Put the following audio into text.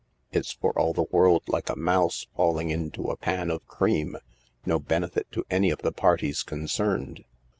It's for all the world like a mouse falling into a pan of cream no benefit to any of the parties concerned."